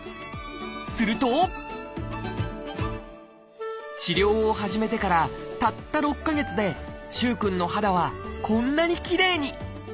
すると治療を始めてからたった６か月で萩くんの肌はこんなにきれいに。